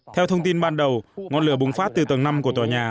theo thông tin ban đầu ngọn lửa bùng phát từ tầng năm của tòa nhà